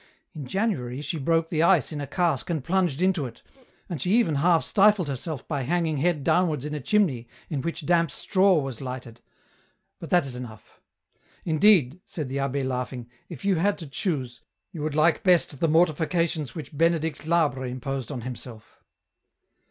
In January she broke the ice in a cask and plunged into it, and she even half stifled herself by hanging head downwards in a chimney in which damp straw was lighted, but that is enough ; indeed," said the abbd laughing, *' if you had to choose, you would like best the mortifications which Benedict Labre imposed on himself."